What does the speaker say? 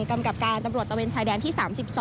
กำกับการตำรวจตะเวนชายแดนที่๓๒